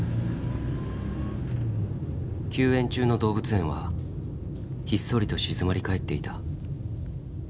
休園中の動物園はひっそりと静まりかえっていた。